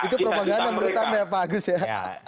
itu propaganda menurut anda bagus ya